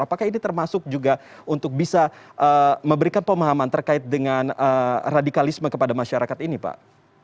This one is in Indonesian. apakah ini termasuk juga untuk bisa memberikan pemahaman terkait dengan radikalisme kepada masyarakat ini pak